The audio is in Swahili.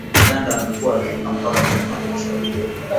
Waganda wamekuwa wakivuka mpaka kununua petroli